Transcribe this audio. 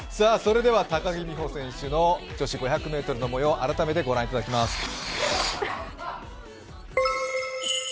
それでは高木美帆選手の女子５００ｍのもよう改めて御覧いただきます。